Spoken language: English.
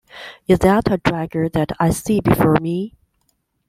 Is that a dagger that I see before me?